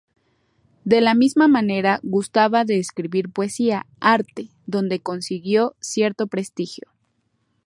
De la misma manera gustaba de escribir poesía, arte donde consiguió cierto prestigio.